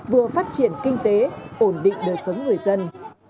vừa phát triển kinh tế ổn định đời sống người dân